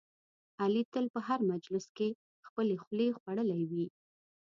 علي تل په هر مجلس کې خپلې خولې خوړلی وي.